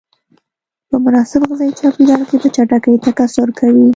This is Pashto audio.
په مناسب غذایي چاپیریال کې په چټکۍ تکثر کوي.